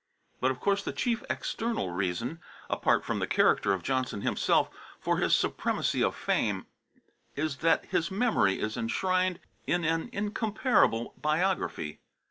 But of course the chief external reason, apart from the character of Johnson himself, for his supremacy of fame, is that his memory is enshrined in an incomparable biography.